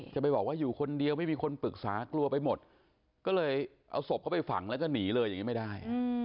จะไปบอกว่าอยู่คนเดียวไม่มีคนปรึกษากลัวไปหมดก็เลยเอาศพเขาไปฝังแล้วก็หนีเลยอย่างนี้ไม่ได้